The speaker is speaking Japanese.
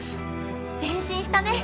前進したね。